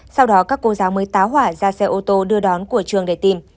sau đó các cô giáo mới tá hỏa ra xe ô tô đưa đón của trường để tìm